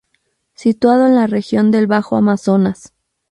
Situado en la Región del Bajo Amazonas.